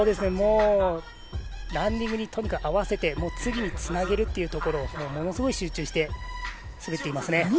ランディングに合わせて次につなげるというところものすごい集中して滑っていますね。